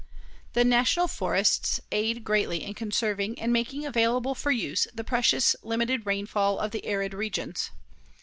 The National Forests aid greatly in conserving and making available for use the precious limited rainfall of the arid regions.